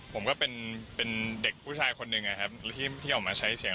ผมก็เป็นเด็กผู้ชายคนหนึ่งนะครับที่ออกมาใช้เสียง